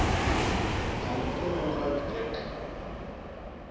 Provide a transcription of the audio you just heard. A mpuu me bijek.